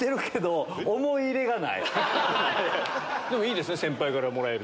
でもいいですね先輩から。